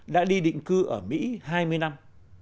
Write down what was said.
đã đi định cư ở mỹ hai mươi năm